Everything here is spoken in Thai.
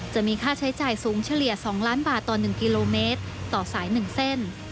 จะมีค่าใช้จ่ายสูงเฉลี่ย๒ล้านบาทต่อ๑กิโลเมตรต่อสาย๑เส้น